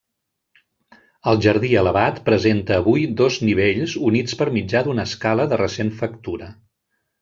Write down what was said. El jardí elevat presenta avui dos nivells units per mitjà d'una escala de recent factura.